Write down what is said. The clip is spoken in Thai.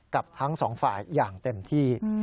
กับทั้งสองฝ่ายอย่างเต็มที่